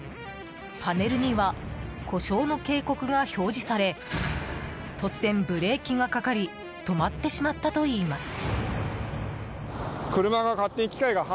パネルには故障の警告が表示され突然ブレーキがかかり止まってしまったといいます。